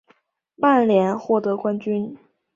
曼联获得冠军。